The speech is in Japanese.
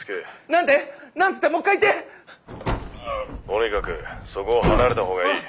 とにかくそこを離れた方がいい。